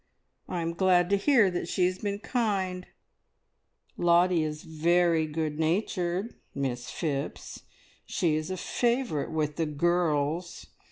I am glad to hear that she has been kind " "Lottie is very good natured, Miss Phipps. She is a favourite with the girls.